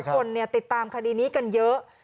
คนติดตามคดีนี้กันเยอะ